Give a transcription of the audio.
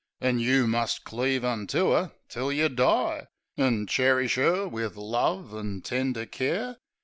An' you must cleave unto 'er till yeh die. An' cherish 'er wiv love an' tender care.